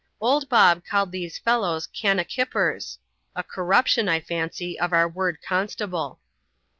Old Bob called these fellows " kannakippers," a corruption, I fancy, of our word constable.